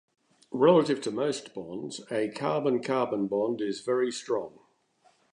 Relative to most bonds, a carbon-carbon bond is very strong.